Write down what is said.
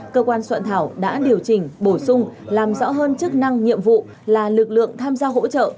cơ quan soạn thảo đã điều chỉnh bổ sung làm rõ hơn chức năng nhiệm vụ là lực lượng tham gia hỗ trợ